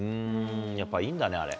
やっぱり、いいんだね、あれ。